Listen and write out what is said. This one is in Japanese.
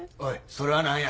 それは何や？